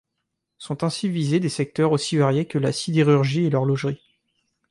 Sont ainsi visés des secteurs aussi variés que la sidérurgie et l'horlogerie.